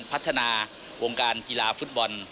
พัฒนาวงการกีฬาฟุตบอล